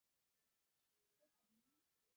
赖歇瑙被葬于柏林荣军公墓。